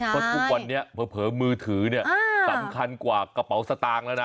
เพราะทุกวันนี้เผลอมือถือเนี่ยสำคัญกว่ากระเป๋าสตางค์แล้วนะ